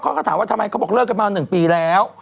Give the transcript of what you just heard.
เขาก็ถามว่าทำไมเขาบอกเลิกกันมา๑ปีแล้ว